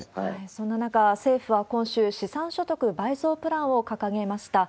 そんな中、政府は今週、資産所得倍増プランを掲げました。